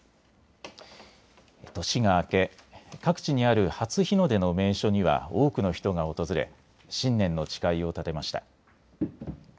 年が明け、各地にある初日の出の名所には多くの人が訪れ新年の誓いを立てました。